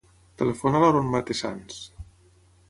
Telefona a l'Haron Matesanz.